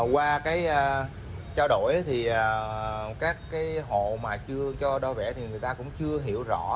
qua cái trao đổi thì các cái hộ mà chưa cho đo vẽ thì người ta cũng chưa hiểu rõ